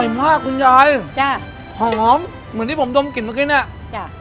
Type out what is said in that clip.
มากคุณยายจ้ะหอมเหมือนที่ผมดมกลิ่นเมื่อกี้เนี้ยจ้ะ